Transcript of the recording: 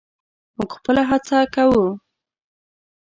موږ خپله هڅه کوو.